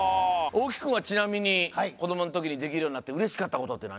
大木くんはちなみにこどものときにできるようになってうれしかったことってなに？